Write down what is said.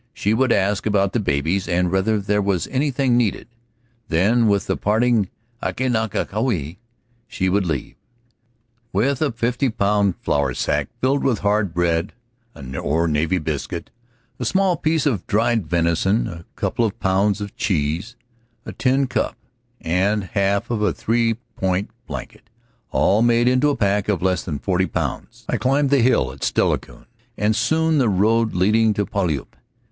She would ask about the babies and whether there was anything needed. Then with the parting "Alki nika keelapie," she would leave. With a fifty pound flour sack filled with hard bread, or navy biscuit, a small piece of dried venison, a couple of pounds of cheese, a tin cup, and half of a three point blanket, all made into a pack of less than forty pounds, I climbed the hill at Steilacoom and took the road leading to Puyallup.